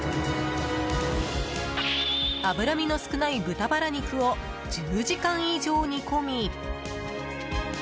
脂身の少ない豚バラ肉を１０時間以上煮込み。